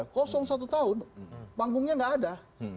kosong satu tahun panggungnya nggak ada